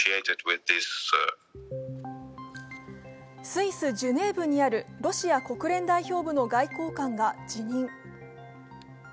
スイス・ジュネーブにあるロシア国連代表部の外交官が辞任。